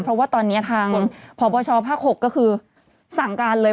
เพราะว่าตอนนี้ทางพบชภาค๖ก็คือสั่งการเลย